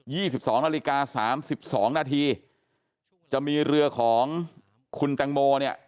ี่สิบสองนาฬิกาสามสิบสองนาทีจะมีเรือของคุณแตงโมเนี่ย